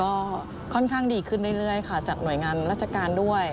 ก็ค่อนข้างดีขึ้นเรื่อยค่ะจากหน่วยงานราชการด้วย